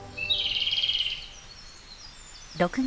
６月。